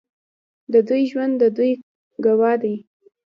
د دوی ژوند د دوی ګواه دی.